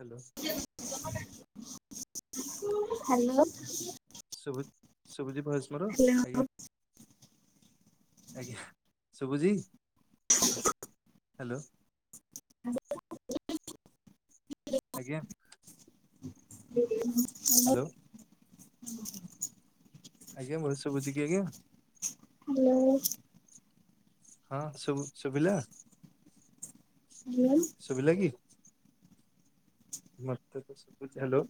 Hello. Hello. ଶୁଭୁ ଶୁଭୁଚି voice ମୋର ହ୍ୟାଲୋ ଆଜ୍ଞା। ଆଜ୍ଞା ଶୁଭୁଚି? [unintelligible] ହାଲୋ। [unintelligible] ଆଜ୍ଞା। Good evening. ହାଲୋ। [unintelligible] ଆଜ୍ଞା ମୋର ଶୁଭୁଛି କି ଆଜ୍ଞା। ହାଲୋ। ହଁ ଶୁଭୁ ଶୁଭିଲା। ହ୍ୟାଲୋ। ଶୁଭିଲା କି? ମତେ ତ ଶୁଭୁଚି ହାଲୋ।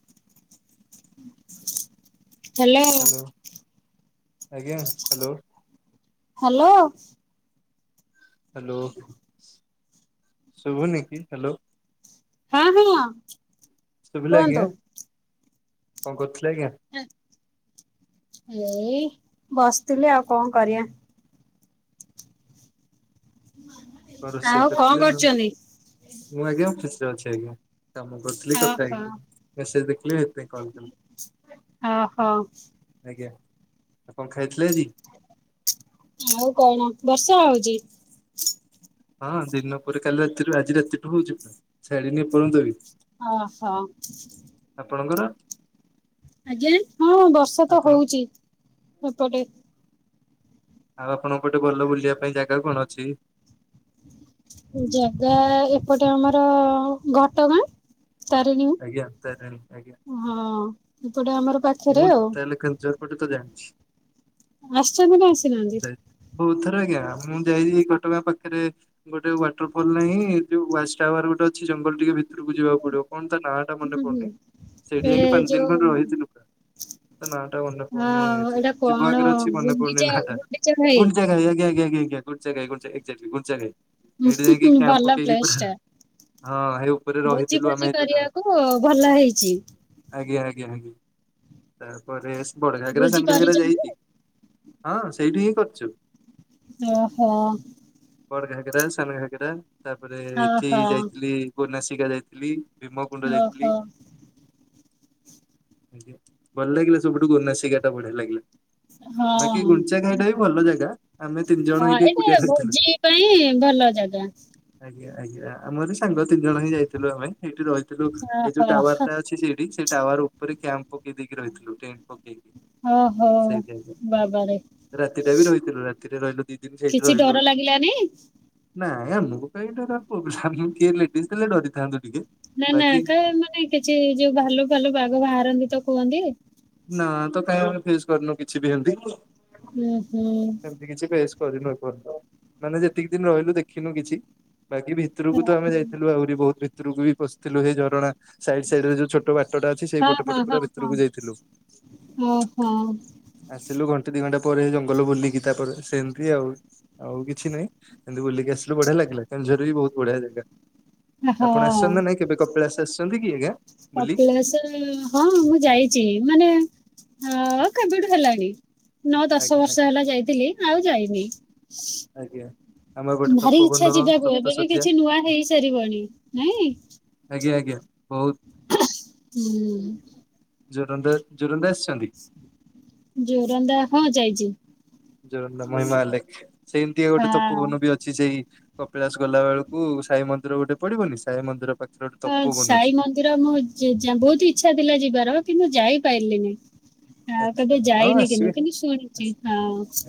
ହାଲୋ ଆଜ୍ଞା ହାଲୋ। ହାଲୋ। ହାଲୋ ଶୁଭୁନି କିି? ହାଲୋ। ହଁ ହଁ। ଶୁଭିଲା କୁହନ୍ତୁ। ଆଜ୍ଞା କଣ କରୁଥିଲେ ଆଜ୍ଞା? ଏଇ ବସିଥିଲି ଆଉ କଣ କରିବା। ଆଉ କଣ ରୋଷେଇ କଣ କରିଥିଲେ ନା? କରୁଛନ୍ତି? ମୁଁ ଆଜ୍ଞା ଖୁସି ଅଛି ଆଜ୍ଞା। କାମ କରୁଥିଲି କଥା ଓହୋ ହେଇଗଲି। ମେସେଜ ଦେଖିଲି ସେଇଥିପାଇଁ କଲ୍ କଲି। ଓହୋ। ଆପଣ ଖାଇଥିଲେ ଆଜି? ମୁଁ କଣ ବର୍ଷା ହୋଉଚି? ହଁ ଦିନ ପରେ କାଲି ରାତିରୁ ଆଜି ରାତିଠୁ ହୋଉଚି ପୁରା ଛାଡିିନି ଏ ପର୍ଯ୍ୟନ୍ତ ବି। ଓହୋ। ଆପଣଙ୍କର? ଆଜ୍ଞା ହଁ ବର୍ଷା ତ ଆପଣ ହୋଉଚି ଏପଟେ। ଆଉ ଆପଣଙ୍କ ପଟେ ଭଲ ବୁଲିବା ପାଇଁ ଜାଗା କଣ ଅଛି? ଜାଗା ଏପଟେ ଆମର ଘଟଗାଁ ତାରିଣୀ ଆଜ୍ଞା ତାରିଣୀ ଆଜ୍ଞା ହଁ। ଏପଟେ ଆମର ପାଖରେ ମୁଁ ଆଉ ତାହେଲେ କେଉଁଝର୍ ପଟେ ତ ଜାଣିଛି। ଆସିଛନ୍ତି ନା ଆସିନାହାନ୍ତି? ଯାଇ ବହୁତ ଥର ଆଜ୍ଞା ମୁଁ ଯାଇଚି ଘଟଗାଁ ପାଖରେ ଗୋଟେ ୱାଟର୍ ଫଲ୍ ନାହିଁ ଯୋଉା ୱାଚ୍ ଟାୱାର ଗୋଟେ ଅଛି ଜ୍ ଜଙ୍ଗଲ ଟିକେ ଭିତରକୁ ଯିବାକୁ ପଡିବ କଣ ତା ନାଁଟା ମନେ ହୁଁ ହୁଁ ପଡୁନି ସେଇଠି ସେ ଯାଇକି ପାଞ୍ଚ ଦିନ ଖଣ୍ଡେ ଯୋଉ ରହିଥିଲୁ ପୁରା। ତା ନାଁଟା ମନେ ହଁ ପଡୁନି ଜି ଏଇଟା ଜିଭ କଣ ଆଗରେ ଅଛି ମନେ ପଡୁନି ଗୁଣ୍ଡିଚା ନାଁ ଟା ଗୁଣ୍ଡିଚା ଘାଇ। ଗୁଣ୍ଡିଚାଘାଇ ଆଜ୍ଞା। ଆଜ୍ଞା ଆଜ୍ଞା ଆଜ୍ଞା ଗୁଣ୍ଡିଚାଘାଇ ଗୁଣ୍ଡିଚାଘାଇ ଏକ୍ଜାଟଲି ଗୁଣ୍ଡିଚାଘାଇ ସେଠି ଯାଇଁ କି କ୍ୟାମ୍ପ ଭଲ ପକେଇକି ପ୍ଲେସ ପୁରା ଟା ହଁ ହେଇ ଉପରେ ଭୋଜି ରହିଥିଲୁ ଫୋଜି ଆମେ ଏ ଯୋଉଟା କରିବାକୁ ଭଲ ହେଇଛି। ଆଜ୍ଞା। ଆଜ୍ଞା ଆଜ୍ଞା ତାପରେ ବଡଘାଗରା ଭୋଜି ସାନଘାଗରା କରିଛନ୍ତି ଯାଇଚି। ହଁ ସେଇଠି ହିଁ କରିଚୁ। ଓହୋ। ବଡ ଘାଗରା, ସାନ ଘାଗରା ତାପରେ ଏଇଠି ଓହୋ। ଯାଇଥିଲି ଗୋନାସିକା ଯାଇଥିଲି। ଭୀମକୁଣ୍ଡ ଯାଇଥିଲି ଓହୋ ଆଜ୍ଞା। ଭଲ ଲାଗିଲା ସବୁଠୁ ଗୋନାସିକାଟା ବଢିଆ ଲାଗିଲା। ହଁ ବାକି ଗୁଣ୍ଡିଚା ଘାଇ ଟା ବି ଭଲ ଜାଗା ଆମେ ତିନି ଜଣ ହଁ ଏଇଠି ଏକୁଟିଆ ଏଇଠେ ରହିଥିଲୁ। ଭୋଜି ପାଇଁ ଭଲ ଜାଗା। ଆଜ୍ଞା ଆଜ୍ଞା ଆମର ବି ସାଙ୍ଗ ତିନି ଜଣ ହିଁ ଯାଇଥିଲୁ ଆମେ ସେଇଠି ରହିଥିଲୁ ଏଇ ଯୋଉ ଓହୋ ଟାୱାରଟା ଅଛି ସେଇ ସେ ଟାୱାର ଉପରେ କ୍ୟାମ୍ପ ପକେଇ ଦେଇକି ରହିଥିଲୁ ଟେଣ୍ଟ ପ ଓ ହୋ ବାବାରେ। ରାତିଟା ବି ରହିଥିଲୁ ରାତିରେ ରହିଲୁ ଦି ଦିନ ସେଇଠି କିଛି ରହିଲୁ ଡର ଲାଗିଲାନି? ନାଇଁ ଆମକୁ କାଇଁ ଡର ପୁଅପିଲା ଆମୁକୁ କିଏ ଲେଡିସ ଥିଲେ ଡରିଥାନ୍ତୁ। ଟିକେ। ନା ନା ବାକି କାଇଁ ଏମାନେ କିଛି ଯୋଉ ଭାଲୁ ଫାଲୁ ବାଘ ବାହାରନ୍ତି ତ କୁହନ୍ତି। ନା ତ କାଇଁ ଆମେ ଫେସ୍ କରିନୁ କିଛି ବି ହେମତି। ହୁଁ ହୁଁ। କରିନୁ ମାନେ ଯେତିକି ଦିନ ରହିଲୁ ଦେଖିନୁ କିଛି। ବାକି ଭିତରକୁ ତ ଆମେ ଯାଇଥିଲୁ ଆହୁରି ବହୁତ ଭିତରକୁ ବି ପଶିଥିଲୁ ସେଇ ଝରଣା ସାଇଡ୍ ସାଇଡ୍ ରେ ଯୋଉ ଛୋଟ ବାଟ ଟା ଅଛି ସେଇ ପଟେ ପଟେ ପୁରା ଭିତରକୁ ଯାଇଥିଲୁ। ଓହୋ। ଆସିଲୁ [unintelligible] ପରେ ଜଙ୍ଗଲ ବୁଲିକି ତାପରେ ସେମିତି ଆଉ ଆଉ କିଛି ନାହିଁ ସେମିତି ବୁଲିକି ଆସିଲୁ ବଢିଆ ଲାଗିଲା। କେନ୍ଦୁଝର ବି ବହୁତ ବଢିଆ ଜାଗା। ହଁ ଆପଣ ଆସିଛନ୍ତି ନା ନାଇଁ କେବେ କପିଳାସ ଆସିଛନ୍ତି କି ଆଜ୍ଞା ବୁଲି କପିଳାସ ହଁ ମୁଁ ଯାଇଚି। ମାନେ ଅ କେବେଠୁ ହେଲାଣି। ନଅ ଦଶ ଆଜ୍ଞା ଆଜ୍ଞା। ବର୍ଷ ହେଲା ଯାଇଥିଲି ଆଉ ଯାଇନି। ଆଜ୍ଞା ଆମର ଗୋଟେ ଭାରି ତପବନ ଇଚ୍ଛା ଯିବାକୁ ସପ୍ତ ଏବେ ବି ଶଯ୍ୟା କିଛି ନୂଆ ହେଇସାରିବଣି ନାଇଁ। ଆଜ୍ଞା ଆଜ୍ଞା ବହୁତ ହୁଁ। ଜୋରନ୍ଦା ଜୋରନ୍ଦା ଆସି ଜୋରନ୍ଦା ହଁ ଯାଇଚି। ଜୋରନ୍ଦା ମହିମା ଅଲେଖ ସେମିତିଆ ଗୋଟେ ହଁ। ତୋପବନ ବି ଅଛି ସେଇ କପିଳାସ ଗଲା ବେଳକୁ ସାଇ ମନ୍ଦିର ଗୋଟେ ପଡିବନି ସାଇ ମନ୍ଦିର ପାଖ ହଁ ସାଇ ମନ୍ଦିର ମୁଁ ବହୁତ ଇଚ୍ଛା ଥିଲା ଯିବାର କିନ୍ତୁ ଯାଇ ପାରିଲିନି । ଆ ଆଚ୍ଛା କେବେ ହଁ ଯାଇନି କିନ୍ତୁ ଆସିବେ କିନ୍ତୁ ଶୁଣିଛି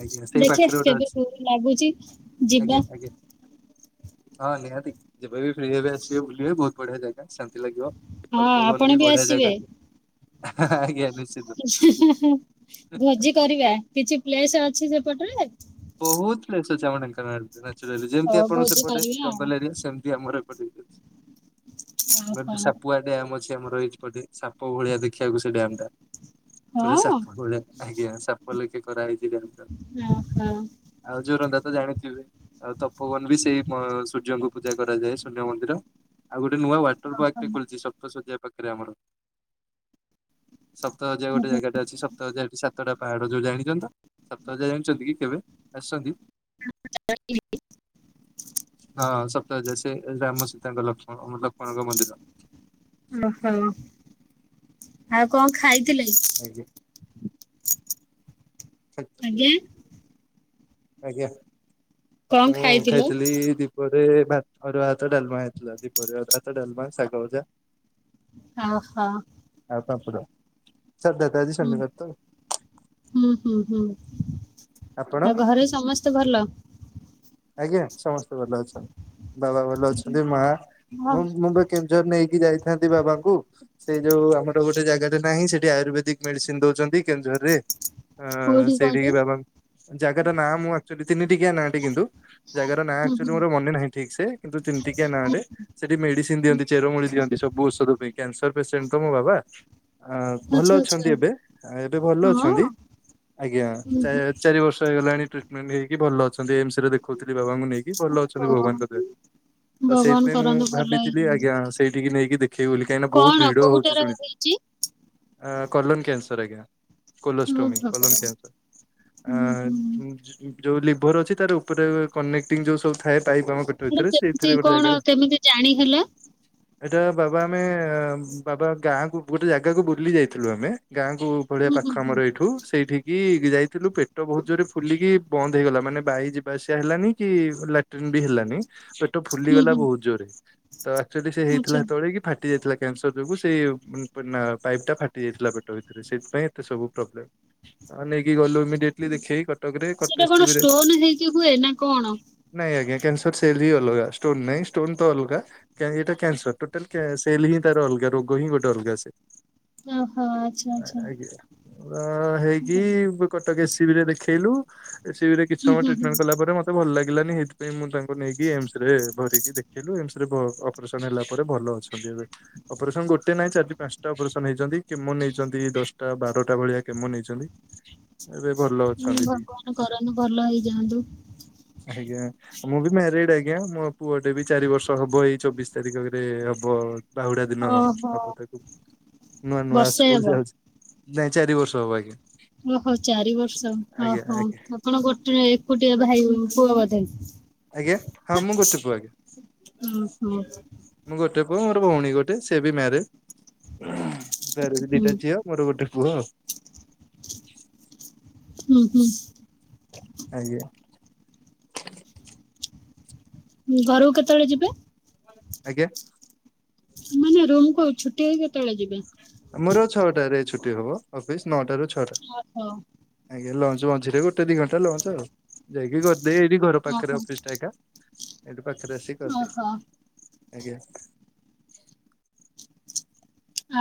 ଆଜ୍ଞା ସେଇ ଦେଖି ଆ ପାଖରେ ଗୋଟେ କେବେ ଅଛି। ଲାଗୁଛି । ଯିବା ଆଜ୍ଞା ଆଜ୍ଞା । ହଁ ନିହାତି ଯେବେ ବି ଫ୍ରି ହେବେ ଆସିବେ ବୁଲିବେ ବହୁତ ବଢିଆ ଜାଗା ଶାନ୍ତି ଲାଗିବ । ତ ହଁ ପବନ ଆପଣ ବି ବଢିଆ ଆସିବେ। ଜାଗା ଆଜ୍ଞା ନିଶ୍ଚିତ । ଭୋଜି କରିବା କିଛି ପ୍ଲେସ ଅଛି ସେପଟରେ ବହୁତ ପେଲସ ଅଛି ଆମଙ୍କାନଚ ଯେମିତି ହଉ ଆପଣ ଭୋଜି ସେପଟେ କରିବା ଜଙ୍ଗଲ ଏରିଆ ସେମିତି ଆମର ଆଉ। ସାପୁଅ ଡ୍ୟାମ ଆମର ରହିଛି ପେ ସାପ ଭଳିଆ ଦେଖିବାକୁ ସେ ଡ୍ୟାମ ଟା । ପଟା ଓହୋ ସାପ ଭଳିଆ ଆଜ୍ଞା ସାପ ଲକ୍ଷେ କରାହେଇଛି । ଓହୋ । ଆଉ ଯୋରନ୍ଦା ତ ଜାଣିଥିବେ । ଆଉ ତପବନ ବି ସେଇ ସୂର୍ଯ୍ୟଙ୍କୁ ପୂଜା କରାଯାଏ ସୂର୍ଯ୍ୟ ମନ୍ଦିର ଆଉ ଗୋଟେ ଗୋଟେ ନୂଆ ୱାଟର ଓହୋ ପାର୍କ ଖଛି ସପ୍ତ ଶଯ ପାଖରେ ଆମର । ସପ୍ତସର୍ଯ୍ୟା ଗୋଟେ ଓହୋ। ଜାଗାଟେ ଅଛି ସପ୍ତସର୍ଯ୍ୟା ରେ ସାତଟା ପାହାଡ଼ ଯୋଉ ଜାଣିଛନ୍ତି ତ ସପ୍ତସୂର୍ଯ୍ୟା ଜାଣିଛନ୍ତି କି କେବେ? ଆସୁଚନ୍ତି । ହଁ ସପ୍ତା [unintelligible] ତାଙ୍କ ଲକ୍ଷଣ ଓହୋ ।ଆଉ କଣ ଖାଇ ଆଜ୍ଞା । ଆଜ୍ଞା ଆଜ୍ଞା କଣ । ହଁ ଖାଇଥିଲ? ଖାଇଥିଲି ଦୀପହ ରେ, ଅରୁଆ ଭାତ ଡାଲମା ହେଇଥିଲା ।ଦୀପହରେ ଅରୁଆ ଭାତ ଡାଲମା ସାଗଭଜା। ଓହୋ । ଫାକା ପୁରା ।ସଧ୍ୟାତା ଆଜି ଶନିବାର ତ ହୁଁ ହୁଁ ହୁଁ ଆପଣ ଆଉ ଘରେ ସମସ୍ତେ ଭଲ? ଆଜ୍ଞା ସମସ୍ତେ ଭଲ ଅଛନ୍ତି। ବାବା ଭଲ ଅଛନ୍ତି। ମା ହଁ ମୁଁ କେଉଁଝର ନେଇ କି କି, ଯାଇଥାନ୍ତି ବାବାଙ୍କୁ। ସେଇ ଯୋଉ ଆମର ଗୋଟେ ଜାଗାରେ ନାହିଁ ସେଠି ଆୟୁରବେଦିକ ମେଡିସିନ ଦଉଛନ୍ତି, କେଉଁଝର ରେ, କୋଉଠି କହିଲେ? ସେଇଠିକି ବାବା ଜାଗା ଟା ନାଁ, ମୁଁ ଆକ୍ଚୁଆଲି ତିନି ଟିକିଆ ନାଁ ଟି କିନ୍ତୁ ଜାଗାର ନାଁ ହୁଁ ଆକ୍ଚୁଆଲି ହୁଁ ମୋର ମନେ ନାହିଁ ଠିକ୍ ସେ, କିନ୍ତୁ ତିନି ଟିଆ ନାଁ ଟେ ସେଠି ମେଡିସିନ ଦିଅନ୍ତି ଚେରମୂଳି। ଦିଅନ୍ତି ସବୁ ଔଷଧ ପାଇଁ। କ୍ୟାନସର ପେସେଣ୍ଟ ତ ମୋ ବାବା । ଆ-ଭଲ ଆଚ୍ଛା ଅଛନ୍ତି ଆଚ୍ଛା ଏବେ ।ଏବେ ଭଲ ହଁ ଅଛନ୍ତି ।ଆଜ୍ଞା, ହୁଁ ହୁଁ ଚାରି ବର୍ଷ ତ ହେଇଗଲାଣି ଟିଟମେଣ୍ଟ ହେଇକି ଭଲ ଅଛନ୍ତି। ଏମସ ରେ ଦେଖଉଥିଲି ବାବାଙ୍କୁ ନେଇକି। ଭଲ ଅଛନ୍ତି ଓହୋ। ଭଗବାନଙ୍କ ଦେୟାରୁ । ତ ଭଗବାନ ସେଇଥିପାଇଁ ମୁଁ କରନ୍ତୁ ଭଲ ଭାବିଥିଲି, ହେଇଯାଆନ୍ତୁ। ଆଜ୍ଞା ସେଇଠିକି ନେଇକି ଦେଖେଇବି ବୋଲି, କାହିଁକିନା ବହୁତ କଣ ଭିଡ ହଉଛି କୋଉଟାରେ ଶୁଣି ହେଇଛି? ଅ କରଲୁନ କ୍ୟା ତରେ ଆଜ୍ଞା। ଓ କୋଲଷ୍ଟ୍ରମି କଲମ ଭଗବାନ କ୍ୟାନସର, ଆ ହୁଁ ହୁଁ ଯୋଉ ଲିଭର ଅଛି ।ତାର ଉପରେ କନେକ୍ଟିଂ ଯୋଉ ସବୁ ଥାଏ । ପାଇପ ଆମ ପେଟ ସେଟା ଭିତରେ କେମିତି ।ସେଇଥିରେ ଗୋଟେ କଣ ଜାଗାରେ କେମିତି ଜାଣି ହେଲା? ଏଇଟା ବାବା ଆମେ, ବାବା ଗାଁକୁ ଗୋଟେ ଜାଗାକୁ ବୁଲି ଯାଇଥିଲୁ ଆମେ ଗାଁକୁୁ ଭଳିଆ ହୁଁ ପାଖ ହୁଁ ଆମର ହୁଁ। ଏଇଠୁ, ସେଇଠି କି ଯାଇଥିଲୁ ପେଟ ବହୁତ ଜୋରେ ଫୁଲିକି ବନ୍ଦ ହେଇଗଲା। ମାନେ ବାଇକ୍ ଯିବା ଆସିବା ହେଲାନି କି ଲା ଟିନ୍ ବି ହେଲାନି, ପେଟ ହୁଁ ଫୁଲିଗଲା ହୁଁ ବହୁତ ଜୋର ।ତ ଆକ୍ଚୁଆଲି ସେ ହେଇଥିଲା ଆଚ୍ଛା ହେତେବେଳେ କି ଫା ଫାଟି ଯାଇଥିଲା କ୍ୟାନସର ଯୋଗୁଁ ।ସେଇ ନା-ପାଇପ୍ ଟା ଫାଟି ଯାଇଥିଲା ପେଟ ଭିତରେ। ସେଇଥି ପାଇଁ ଏତେ ସବୁ ପ୍ରୋବ୍ଲେମ । ହଁ ନେଇକି ଗଲୁ ଇମିଡିଟ ଦେଖେଇ କଟକରେ, ଏସିବିରେ କି ହୁଏ ନା କଣ? ଆଜ୍ଞ, କ୍ୟନ୍ସର ସେଲ୍ ହି ଅଲଗା, ଷ୍ଟୋନ ନାଇଁ ଷ୍ଟୋନ ତ ଅଲଗା ଏଇଟା କ୍ୟାନସର ଟୋଟାଲ ସେଲ୍ ହିଁ ସେଟା ଅଲଗା ରୋଗ ହିଁ, ଗୋଟେ ଅଲଗା ସେ ଓହୋ ଆଚ୍ଛା ଆଚ୍ଛା। ଆଜ୍ଞ । ମୋର ହୋଇଛି ହୁଁ Cuttack A C A CB ରେ ଦେଖେଇଲୁ, ଏ ସିବି ରେ କିଛି ସମୟ ହୁଁ ହୁଁ ଟ୍ରିଟମେଣ୍ଟ କଲା ପରେ, ମତେ ଭଲ ଲାଗିଲାନି ସେଥିାଇଁ ମୁଁ ତାଙ୍କୁ ନେଇକି ଏମସ ରେ ଭରିକି ଦେଖିଲୁ, ଏ ରେ ବ ଅପରେସନ୍ ହେଲା ପରେ ଭଲ ଅଛନ୍ତି ଏବେ। ଅପରେସନ୍ ଗୋଟେ ନାହିଁ ଚାରି, ପାଞ୍ଚଟା ଅପରେସନ୍ ହେଇଛନ୍ତି। କେମ ନେଇଛନ୍ତି ଦଶଟା, ବାରଟା ଭଳିଆ କେମ ନେଇଛନ୍ତି। ଏବେ ଭଲ ହଁ, ଅଛନ୍ତି ଟିକେ। ଭଗବାନ କରନ୍ତୁ ଭଲ ହେଇଯାଆନ୍ତୁ। ଆଜ୍ଞା, ମୁଁ ବି ମ୍ୟାରେଡ ଆଜ୍ଞା। ମୋ ପୁଅଟେ ବି ଚାରି ବର୍ଷ ହବ। ଏଇ ଚବିଶ ତାରିଖରେ ହବ। ବାହୁଡା ଦିନ ଓହୋ ହବ ତାକୁ। ନୂଆ, ନୂଆ ବର୍ଷେ ସ୍କୁଲ ହେବ ଯାଉଛି। ନାଇଁ ଚାରି ବର୍ଷ ହବ ଆଜ୍ଞା। ଓହୋ, ଚାରି ବର୍ଷ ଆଜ୍ଞା ।ଓହୋ, ଆଜ୍ଞା ଆପଣ ଗୋଟେ ଗୋଟିଏ ଭାଇ ପୁଅ ବୋଧେ? ଆଜ୍ଞା ।ହଁ, ମୁଁ ଗୋଟେ କୁ ଆଜ୍ଞା ଓହୋ ।ମୁଁ ଗୋଟେ ଗୋଟେ ପୁଅ, ମୋର ଭଉଣୀ ଗୋଟେ, ସେ ବି ମାରେଡ୍ ।ତାର ବି ହୁଁ ଦିଟା ଝିଅ, ମୋର ଗୋଟେ ପୁଅ। ହୁଁ, ହୁଁ। ଆଜ୍ଞା। ଘରକୁ କେତେବେଳେ ଯିବେ? ଆଜ୍ଞା। ମାନେ ରୁମ କୁ ଛୁଟି ହେଇକି କେତେବେଳେ ଯିବେ? ଦେ ହବ ଅଫିସ୍ ନଅ ଟାରୁ, ଛଅଟା ଓହୋ ।ଆଜ୍ଞା ଲଞ୍ଚ ଯୋଉ ମଝିରେ ଗୋଟେ ଦି ଘଣ୍ଟା ଲଞ୍ଚ ଆଉ। ଯାଇକି କରି ଦିଏ ଏଇଠି ଘର ପାଖରେ ଓହୋ ଅଫିସ ଟା ଏକା। ପାଖରେ ଆସି କରଦେ ଓହୋ ଆଜ୍ଞା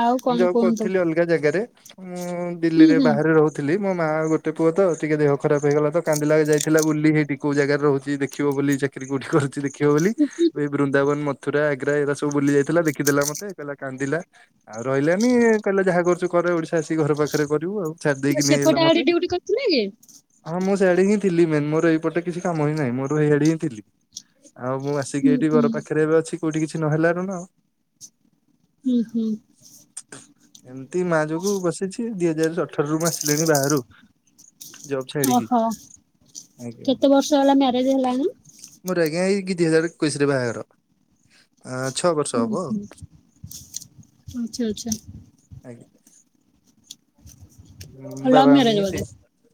ଆଉ ମୁଁ କଣ ଜବ କରୁ କୁହନ୍ତୁ ଥିଲି ଅଲଗା ଜାଗାରେ ମୁଁ ହୁଁ ଦିଲ୍ଲୀରେ ହୁଁ। ବାହାରେ ରହୁଥିଲି ମୋ ମାଆ ଗୋଟେ ପୁଅ ତ ଟିକେ ଦେହ ଖରାପ ହେଇଗଲା ତ କାନ୍ଦିଲା ଯାଇଥିଲା ବୁଲି ସେଇଠି କୋଉ ଜାଗାରେ ରହୁଛି ଦେଖିବ ବୋଲି ଚାକିରୀ କୋଉଠି କରୁଛି ଦେଖିବ ବୋଲି ଏ ବୃନ୍ଦାବନ ମଥୁରା ଆଗ୍ରା ଏଗା ସବୁ ବୁଲି ଯାଇଥିଲା ଦେଖିଦେଲା ମୋତେ କହିଲା କାନ୍ଦିଲା ଆଉ ରହିଲାନି କହିଲା ଯାହା କରୁଛୁ କରେ ଓଡିଶା ଆସିକି ଘର ପାଖରେ କରିବୁ ଆଉ ଛାଡି ଦେଇକି ନେଇଲା ସେପଟେ ମୋତେ ଆଡେ ଡ୍ୟୁଟି କରିଥିଲେ କି? ହଁ ମୁଁ ସେଠିକି ଥିଲି ମେମ୍ ମୋର ଏଇପଟେ କିଛି କାମ ହିଁ ନାହିଁ ମୋର ଏଇଆଡେ ହିଁ ଥିଲି ଆଉ ମୁଁ ଆସି ଆସିକି ହୁଁ ଏଇଠି ହୁଁ ଘର ପାଖରେ ଏବେ ଅଛି କୋଉଠି କିଛି ନହେଲାରୁ ନା ଆଉ ହିଇ ହିଇ ଏମିତି ମା ଯୋଗୁ ବସିଛି ଦି ହଜାର ଅଠରରୁ ମୁଁ ଆସିଲିଣି ବାହାରୁ ଜବ ଛାଡିକି ଓହୋ କେତେ ବର୍ଷ ହେଲା ମ୍ୟାରେଜ ହେଲାଣି? ମୋର ଆଜ୍ଞା ଏଇ ଦିଇ ହଜାର ଏକୋଇଶି ରେ ବାହାଘର ଆ ଛଅ ବର୍ଷ ହବ ଆଉ ଆଛା ଆଛା [unintelligible] ଆଉ ଲଭ୍ ବାବା ମ୍ୟାରେଜ ମମି ବୋଧେ? ଠିକ୍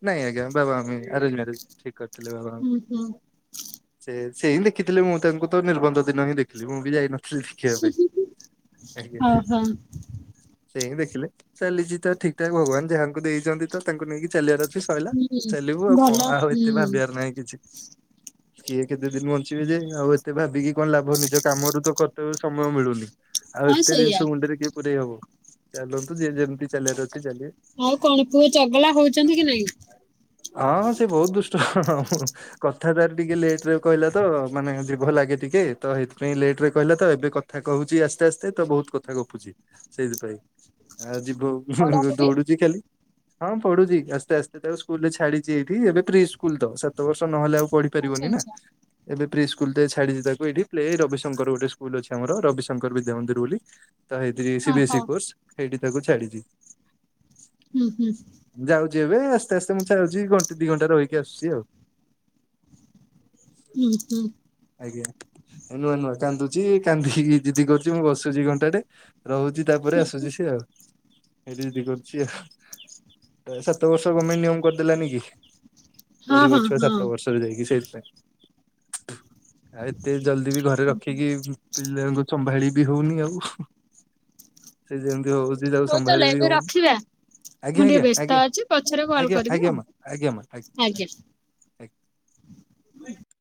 ନାଇଁ ଆଜ୍ଞା ବାବା ମମି ଆରେଞ୍ଜ ମେରେଜ୍ ଠିକ ଅଛି [unintelligible] ହୁଁ ହୁଁ ସେ ସେ ହିଁ ଦେଖିଥିଲେ ମୁଁ ତାଙ୍କୁ ତ ନିର୍ବନ୍ଧ ଦିନ ହିଁ ଦେଖିଲି ମୁଁ ବି ଯାଇନଥିଲି ଦେଖିବା ପାଇଁ ଆଜ୍ଞା ଓହୋ ସେ ହିଁ ଦେଖିଲେ ଚାଲିଛି ତ ଠିକ ଠାକ ଭଗବାନ ଯାହାଙ୍କୁ ଦେଇଛନ୍ତି ତ ତାଙ୍କୁ ନେଇକି ଚାଲିବାର ସେ ସରିଲା ହୁଁ ଚାଲିବୁ ଆଉ କଣ ଭଲ ଆଉ ଏତେ ହୁଁ ବି ଭାବିବାର ନାହିଁ କିଛି କିଏ କେତେ ଦିନ ବଞ୍ଚିବେ ଯେ ଆଉ ଏତେ ଭାବିକି କଣ ଲାଭ ନିଜ କାମରୁ ତ କରତେ ସମୟ ମିଳୁନି ଆଉ ହଁ ଏତେ ସେଇଆ ଜିନିଷ ମୁଣ୍ଡରେ କିଏ ପୁରେଇ ହବ ଚାଲନ୍ତୁ ଯିଏ ଯେମତି ଚାଲିବାର ଅଛି ଚାଲିବେ ଆଉ କଣ ପୁଅ ଚଗଲା ହଉଛନ୍ତି କି ନାଇଁ ହଁ ହଁ ସେ ବହୁତ ଦୁଷ୍ଟ ହଁ ହଁ କଥା ତାର ଟିକେ ଲେଟ ରେ କହିଲା ତ ମାନେ ଜିଭ ଲାଗେ ଟିକେ ଟିକେ ତ ସେଇଥିପାଇଁ ଲେଟରେ କହିଲା ତ ଏବେ କଥା କହୁଛି ଆସ୍ତେ ଆସ୍ତେ ତ ବହୁତ କଥା ଗପୁଛି ସେଇଥିପାଇଁ ଆଉ ଯିବୁ ହୁଁ ହୁଁ ପଢାପଢି ଦୌଡୁଛି ଖାଲି ହଁ ପଢୁଛି ଆସ୍ତେ ଆସ୍ତେ ତ ତାକୁ ସ୍କୁଲ ରେ ଛାଡିଛି ଏଇଠି ଏବେ ପ୍ରି ସ୍କୁଲ ତ ସାତ ବର୍ଷ ନହେଲେ ଆଉ ପଢି ଆଚ୍ଛା ପାରିବନି ନା ଆଚ୍ଛା ଏବେ ପ୍ରି ସ୍କୁଲ ଦେଇ ଛାଡିଛି ତାକୁ ଏଇଠି ପ୍ଲେ ରବିଶଙ୍କର ଗୋଟେ ସ୍କୁଲ ଅଛି ଆମର ରବିଶଙ୍କର ବିଦ୍ୟା ମନ୍ଦିର ବୋଲି ତା ହେଇଥି ସିବି ଏସ୍ ଓହୋ ଇ କୋର୍ସ ସେଇଠି ତାକୁ ଛାଡିଛି ହୁଁ ହୁଁ ଯେବେ ଆସ୍ତେ ଆସ୍ତେ ମୁଁ ଚାହୁଁଛି ଘଣ୍ଟେ ଦି ଘଣ୍ଟା ରହିକି ଆସୁଛି ଆଉ ହୁଁ ହୁଁ। ଆଜ୍ଞା। ନୂଆ ନୂଆ କାନ୍ଦୁଚି କାନ୍ଦିକି ଜିଦି କରୁଚି ମୁଁ ବସୁଚି ବି ଘଣ୍ଟା ଟେ ରହୁଚି ତାପରେ ଆସୁଚି ସେ [unintelligible] ଜିଦି କରୁଚି ଆଉ। ସାତ ବର୍ଷ ଗମେଣ୍ଟ ନିୟମ କରିଦେଲାନି କି। ହଁ ପଢିବ ହଁ ଛୁଆ ହଁ ସାତ ବର୍ଷରେ ଯାଇକି ସେଇଥିପାଇଁ। ଆଉ ଏତେ ଜଲଦି ବି ଘରେ ରଖିକି ପିଲାଙ୍କୁ ସମ୍ଭାଳି ବି ହଉନି ଆଉ ସେ ଯେମିତି ହଉଚି ତାକୁ ହଉ ତାହେଲେ ସମ୍ଭାଳିି ବି ଏବେ ହଉନି। ରଖିବା। ଆଜ୍ଞା ମୁଁ ଟିକେ ବ୍ୟସ୍ତ ଆଜ୍ଞା ଅଛି ପଛରେ କଲ୍ ଆଜ୍ଞା କରିବି ଆଜ୍ଞା ଆଜ୍ଞା ଆଉ ମା ଆଜ୍ଞା ମା ଆଜ୍ଞା ଆଜ୍ଞା। [inaudible]